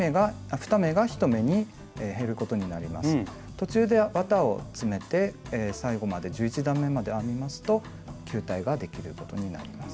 途中で綿を詰めて最後まで１１段めまで編みますと球体ができることになります。